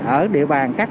ở địa bàn các nơi